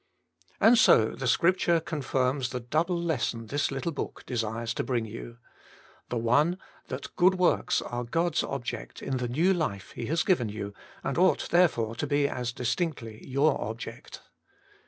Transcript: And so the Scripture confirms the double lesson this little book desires to bring you. The one, that good Vv^orks are God's object in the new life He has given you. and ought therefore to be as distinctly your object.